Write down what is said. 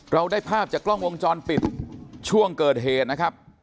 เราได้ภาพจากกล้องวงจรปิดช่วงเกิดเหตุนะครับ